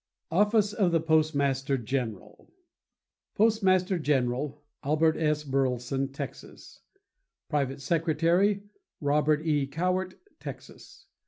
OFFICE OF THE POSTMASTER GENERAL Postmaster General.—Albert S. Burleson, Texas. Private Secretary.—Robert E. Cowart, Texas.